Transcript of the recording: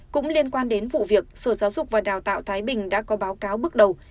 cũng liên quan đến vụ việc sở giáo dục và đào tạo thái bình đã có báo cáo bước đầu